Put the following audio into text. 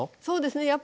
そうですね